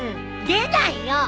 出ないよ！